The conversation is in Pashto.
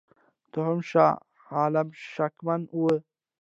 دوهم شاه عالم شکمن وو.